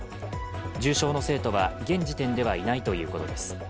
重症の生徒は現時点ではいないということです。